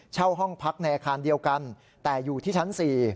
เช่าห้องพักในอาคารเดียวกันแต่อยู่ที่ชั้น๔